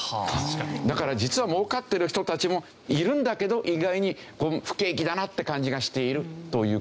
だから実は儲かってる人たちもいるんだけど意外に不景気だなって感じがしているという事ですよね。